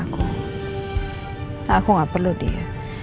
aku gak perlu dia